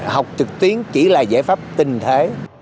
học trực tuyến chỉ là giải pháp tình thế